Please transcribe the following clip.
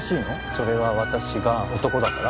それは私が男だから？